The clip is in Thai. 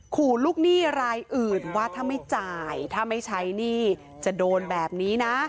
ขู่ลูกหนี้รายอื่นว่าถ้าไม่จ่ายถ้าไม่ใช้หนี้จะโดนแบบนี้นะ